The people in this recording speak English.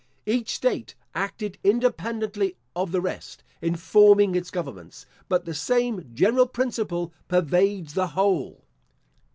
Each state acted independently of the rest, in forming its governments; but the same general principle pervades the whole.